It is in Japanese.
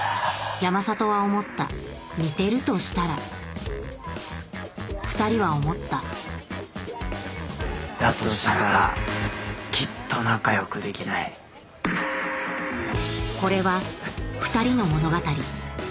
山里は思った似てるとしたら２人は思っただとしたらきっと仲良くできないこれはふたりの物語